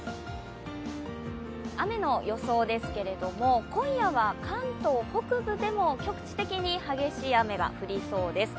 雨の予想ですけれども今夜は関東北部でも局地的に激しい雨が降りそうです。